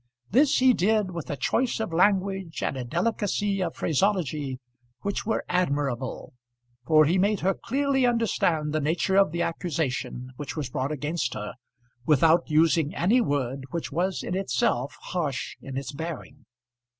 This he did with a choice of language and a delicacy of phraseology which were admirable, for he made her clearly understand the nature of the accusation which was brought against her without using any word which was in itself harsh in its bearing.